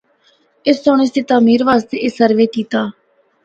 اُس سنڑ اس دی تعمیر واسطے اے سروے کیتا۔